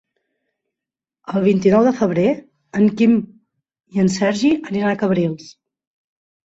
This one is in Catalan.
El vint-i-nou de febrer en Quim i en Sergi aniran a Cabrils.